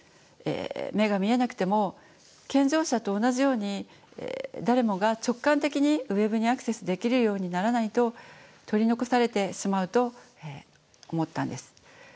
目が見えなくても健常者と同じように誰もが直感的にＷｅｂにアクセスできるようにならないと取り残されてしまうと思ったんです。